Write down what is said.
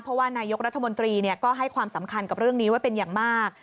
เพราะว่านายกรัฐมนตรีก็ให้ความสำคัญกับเรื่องนี้ไว้เป็นอย่างมาก